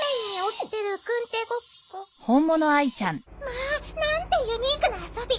まあなんてユニークな遊び！